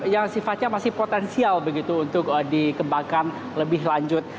yang sifatnya masih potensial begitu untuk dikembangkan lebih lanjut